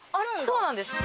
そうなんです。